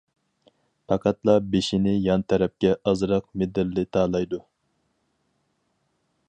پەقەتلا بېشىنى يان تەرەپكە ئازراق مىدىرلىتالايدۇ.